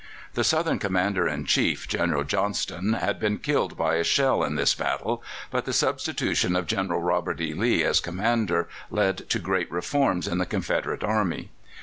The Southern Commander in Chief, General Johnston, had been killed by a shell in this battle, but the substitution of General Robert E. Lee as Commander led to great reforms in the Confederate Army.